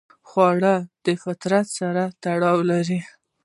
خوړل د فطرت سره تړاو لري